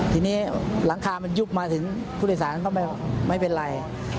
ทีนี้หลังคามันยุบมาถึงผู้โดยสารก็ไม่เป็นไร